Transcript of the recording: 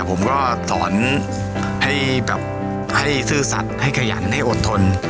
ผมก็สอนให้แบบให้ซื่อสัตว์ให้ขยันให้อดทน